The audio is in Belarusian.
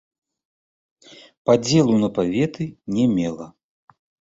Падзелу на паветы не мела.